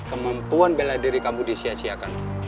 kemampuan bela diri kamu disia siakan